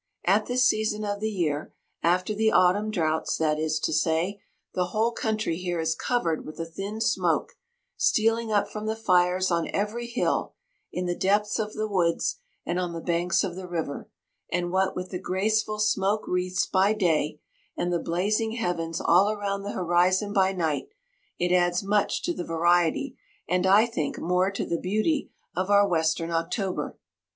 At this season of the year—after the autumn droughts, that is to say—the whole country here is covered with a thin smoke, stealing up from the fires on every hill, in the depths of the woods, and on the banks of the river; and what with the graceful smoke wreaths by day, and the blazing heavens all around the horizon by night, it adds much to the variety, and I think, more to the beauty of our western October.